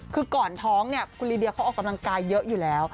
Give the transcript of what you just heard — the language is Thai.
คือก่อนท้องเนี่ยคุณลีเดียเขาออกกำลังกายเยอะอยู่แล้ว